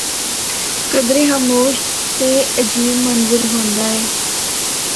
کدرے خاموش تے عجیب منظر ہوندا ہے۔